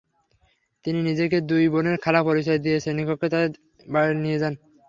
তিনি নিজেকে দুই বোনের খালা পরিচয় দিয়ে শ্রেণিকক্ষ থেকে তাদের নিয়ে যান।